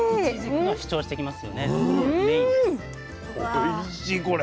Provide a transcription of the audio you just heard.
おいしいこれ。